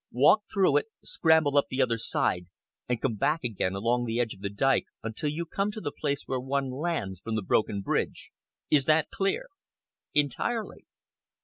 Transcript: Walk through it, scramble up the other side, and come back again along the edge of the dyke until you come to the place where one lands from the broken bridge. Is that clear?" "Entirely."